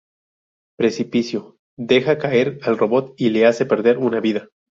Precipicio: Deja caer al robot y le hace perder una vida.